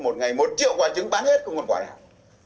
một ngày một triệu quả trứng bán hết không còn quả nào